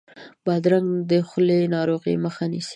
بادرنګ د خولې ناروغیو مخه نیسي.